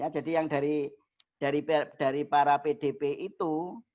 jadi yang dari para pdp itu